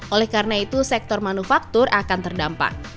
oleh karena itu sektor manufaktur akan terdampak